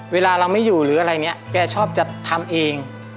เวลาเราไม่อยู่หรืออะไรอย่างนี้แกชอบจะทำเอง